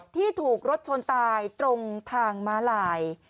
ที่ถูกรถชนตายตรงทางม้าลาย